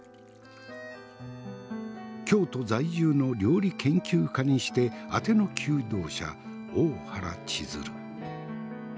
京都在住の料理研究家にしてあての求道者大原千鶴。